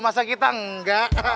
masa kita enggak